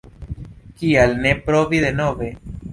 Kial ne provi denove?